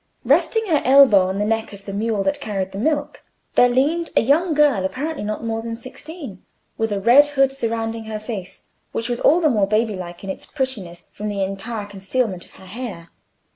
Resting her elbow on the neck of the mule that carried the milk, there leaned a young girl, apparently not more than sixteen, with a red hood surrounding her face, which was all the more baby like in its prettiness from the entire concealment of her hair.